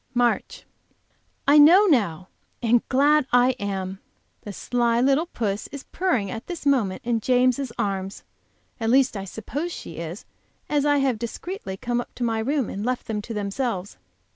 MARCH. I know now, and glad I am! The sly little puss is purring at this moment in James' arms; at least I suppose she is, as I have discreetly come up to my room and left them to themselves.